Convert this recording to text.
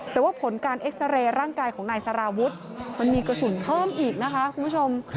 แต่ว่าผลการเอ็กซาเรย์ร่างกายของนายสารวุฒิมันมีกระสุนเพิ่มอีกนะคะคุณผู้ชม